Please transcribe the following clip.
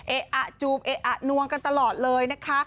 เอ๊ะอะจูบเอ๊ะอะนวงกันตลอดเลยนะคะ